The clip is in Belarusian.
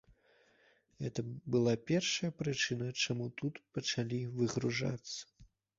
Гэта была першая прычына, чаму тут пачалі выгружацца.